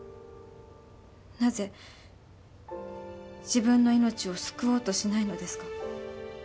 なぜ自分の命を救おうとしないのですか？